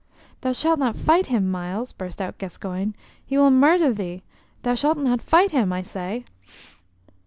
"Thou shalt not fight him, Myles!" burst out Gascoyne. "He will murther thee! Thou shalt not fight him, I say!"